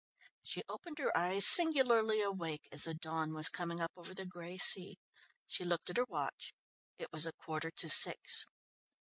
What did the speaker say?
She opened her eyes singularly awake as the dawn was coming up over the grey sea. She looked at her watch; it was a quarter to six.